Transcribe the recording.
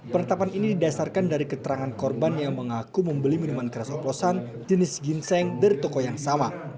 penetapan ini didasarkan dari keterangan korban yang mengaku membeli minuman keras oplosan jenis ginseng dari toko yang sama